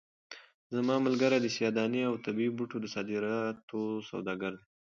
زما ملګری د سیاه دانې او طبي بوټو د صادراتو سوداګر دی.